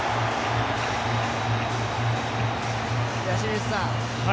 清水さん